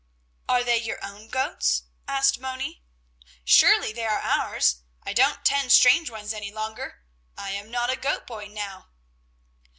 "Are they your own goats?" asked Moni. "Surely, they are ours. I don't tend strange ones any longer. I am not a goat boy now."